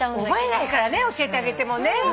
覚えないからね教えてあげてもね。